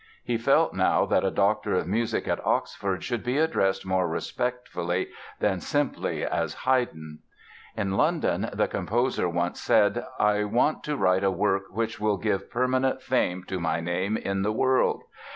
He felt now that a Doctor of Music at Oxford should be addressed more respectfully than simply as "Haydn". In London the composer once said: "I want to write a work which will give permanent fame to my name in the world."